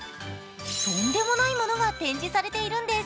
とんでもないものが展示されているんです。